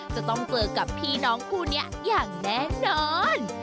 จะต้องเจอกับพี่น้องคู่นี้อย่างแน่นอน